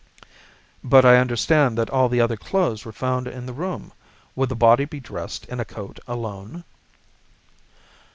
"But I understand that all the other clothes were found in the room. Would the body be dressed in a coat alone?"